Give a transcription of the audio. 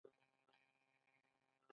زرغونه غلې ده .